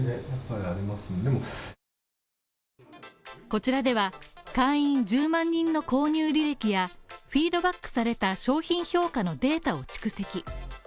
こちらでは、会員１０万人の購入履歴やフィードバックされた商品評価のデータを蓄積。